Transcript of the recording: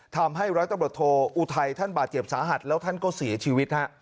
ทำให้ร้อยตำรวจโทอุทัยท่านบาดเจ็บสาหัสแล้วท่านก็เสียชีวิตฮะ